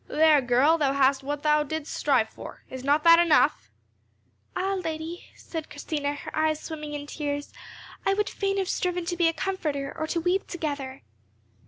"There, girl, thou hast what thou didst strive for. Is not that enough?" "Alas! lady," said Christina, her eyes swimming in tears, "I would fain have striven to be a comforter, or to weep together."